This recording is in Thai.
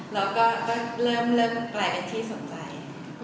แล้วก็เริ่มกลายเป็นที่สนใจ